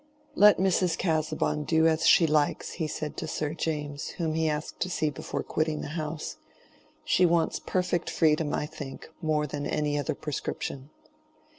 "Let Mrs. Casaubon do as she likes," he said to Sir James, whom he asked to see before quitting the house. "She wants perfect freedom, I think, more than any other prescription."